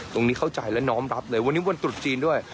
เข้าใจและน้อมรับเลยวันนี้วันตรุษจีนด้วย